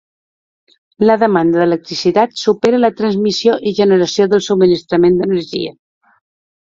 La demanda d'electricitat supera la transmissió i generació del subministrament d'energia.